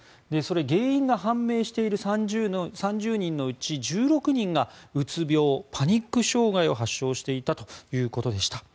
原因が判明している３０人のうち１６人がうつ病、パニック障害を発症していたということでした。